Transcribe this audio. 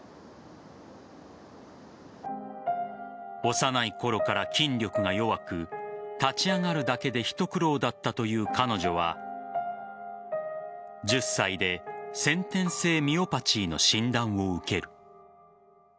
幼いころから筋力が弱く立ち上がるだけで一苦労だったという彼女は１０歳で先天性ミオパチーの診断を受ける。